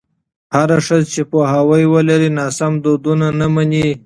هره ښځه چې پوهاوی ولري، ناسم دودونه نه مني.